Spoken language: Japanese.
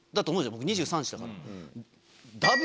僕２３２４だから。